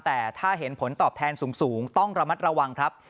แต่ถ้าเห็นผลตอบแทนสูงต้องระมัดระวังครับ